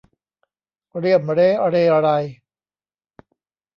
เรี่ยมเร้เรไร